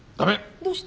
どうして？